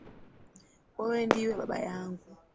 Wewe ndiwe baba yangu